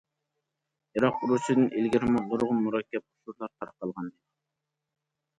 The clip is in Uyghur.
ئىراق ئۇرۇشىدىن ئىلگىرىمۇ نۇرغۇن مۇرەككەپ ئۇچۇرلار تارقالغانىدى.